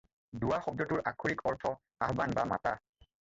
দুআ শব্দটোৰ আক্ষৰিক অৰ্থ 'আহ্বান' বা 'মাতা'।